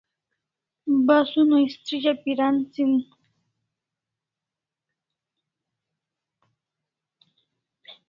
Basun o istrizah piran sin